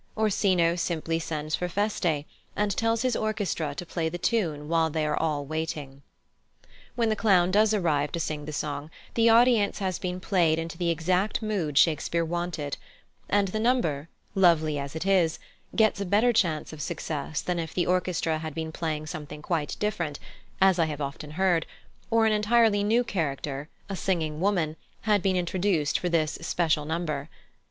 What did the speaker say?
Orsino simply sends for Feste, and tells his orchestra to play the tune while they are all waiting. When the clown does arrive to sing the song the audience has been played into the exact mood Shakespeare wanted; and the number, lovely as it is, gets a better chance of success than if the orchestra had been playing something quite different (as I have often heard), or an entirely new character, a singing woman, had been introduced for this special number.